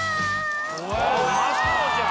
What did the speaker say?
うまそうじゃん！